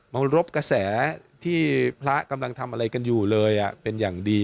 มันรบกระแสที่พระกำลังทำอะไรกันอยู่เลยเป็นอย่างดี